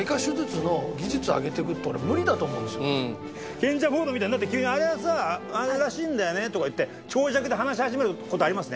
賢者モードみたいになって急に「あれはさあれらしいんだよね」とか言って長尺で話し始める事ありますね。